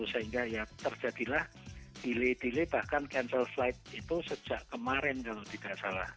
sehingga ya terjadilah delay delay bahkan cancel flight itu sejak kemarin kalau tidak salah